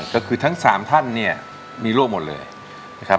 ก็คือทั้ง๓ท่านเนี่ยมีโรคหมดเลยนะครับ